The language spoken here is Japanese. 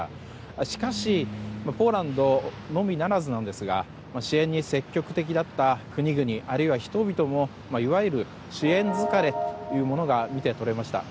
しかしポーランドのみならずですが支援に積極的だった国々あるいは人々もいわゆる支援疲れというものが見て取れました。